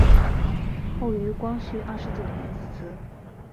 后于光绪二十九年祠。